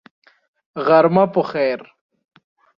غرمه په خیر !